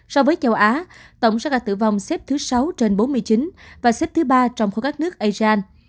so với châu á tổng số ca tử vong xếp thứ sáu trên bốn mươi chín và xếp thứ ba trong khối các nước asean